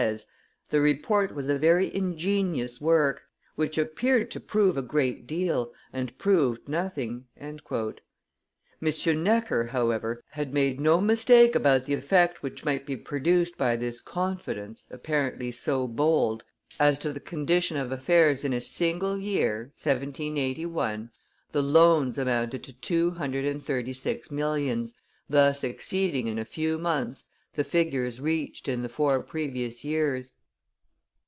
_ "the Report was a very ingenious work, which appeared to prove a great deal and proved nothing." M. Necker, however, had made no mistake about the effect which might be produced by this confidence, apparently so bold, as to the condition of affairs in a single year, 1781, the loans amounted to two hundred and thirty six millions, thus exceeding in a few months the figures reached in the four previous years.